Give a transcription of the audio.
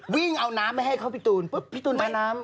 วิ่งเอาน้ำมาให้เขาพี่ตูนปุ๊บพี่ตูนเอาน้ำ